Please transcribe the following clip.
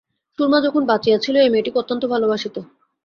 সুরমা যখন বাঁচিয়া ছিল, এই মেয়েটিকে অত্যন্ত ভালোবাসিত।